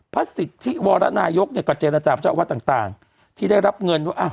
พระสิทธิวรณายกเนี่ยกระเจนจากเจ้าอาวัดต่างต่างที่ได้รับเงินว่าอ้าว